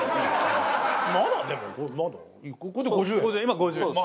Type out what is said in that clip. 今５０円です。